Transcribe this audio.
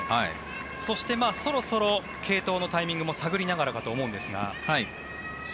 そしてそろそろ継投のタイミングも探りながらかと思うんですが。